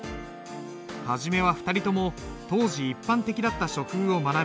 初めは２人とも当時一般的だった書風を学び